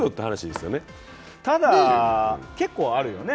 ただ、結構あるよね。